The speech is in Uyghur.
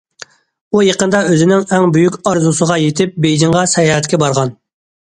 ئۇ يېقىندا ئۆزىنىڭ ئەڭ بۈيۈك ئارزۇسىغا يېتىپ بېيجىڭغا ساياھەتكە بارغان.